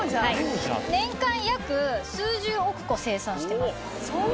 年間約数十億個生産してます。